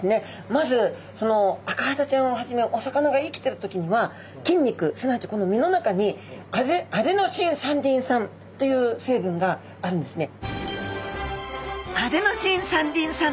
まずそのアカハタちゃんをはじめお魚が生きているときには筋肉すなわちこの身の中にアデノシン三リン酸という成分があるんですね。